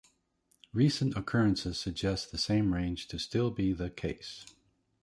Recent occurrences suggest the same range to still be the case.